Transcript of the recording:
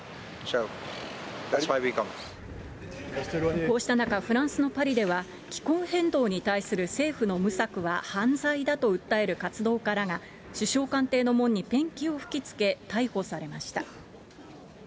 こうした中フランスのパリでは、気候変動に対する政府の無策は犯罪だと訴える活動家らが、首相官邸の門にペンキを吹きつけ逮捕されました。